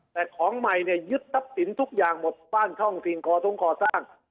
แต่ของใหม่เนี่ยยึดทรัพย์สินทุกอย่างหมดบ้านท่องสิ่งคอท้งก่อสร้าง